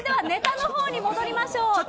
ネタのほうに戻りましょう。